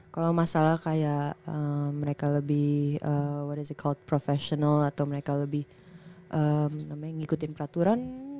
kalau masalah kayak mereka lebih what is account professional atau mereka lebih ngikutin peraturan